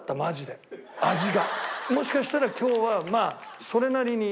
もしかしたら今日はまあそれなりに。